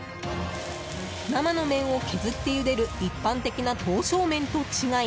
生の麺を削ってゆでる一般的な刀削麺と違い